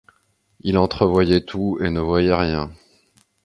Il entrevoyait tout, et ne voyait rien.